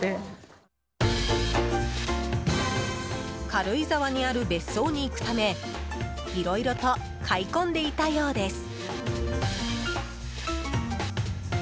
軽井沢にある別荘に行くためいろいろと買い込んでいたようです。